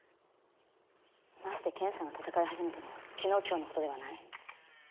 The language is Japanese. まして剣さんが戦い始めたのは昨日今日のことではない。